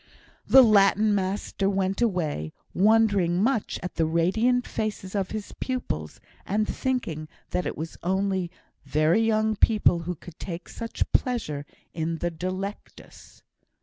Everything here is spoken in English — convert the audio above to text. The Latin master went away, wondering much at the radiant faces of his pupils, and thinking that it was only very young people who could take such pleasure in the "Delectus."